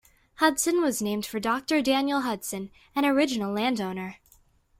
Hudson was named for Doctor Daniel Hudson, an original landowner.